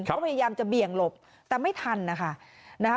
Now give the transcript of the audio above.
ครับพยายามจะเบี่ยงหลบแต่ไม่ทันนะค่ะนะฮะ